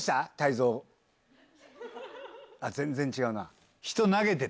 全然違うな。